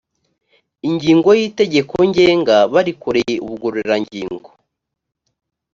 ingingo y’itegekongenga barikoreye ubugororangingo